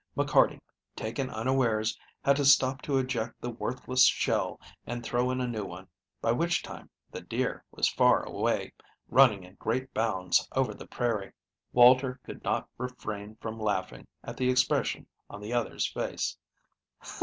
McCarty, taken unawares, had to stop to eject the worthless shell and throw in a new one, by which time the deer was far away, running in great bounds over the prairie. Walter could not refrain from laughing at the expression on the other's face.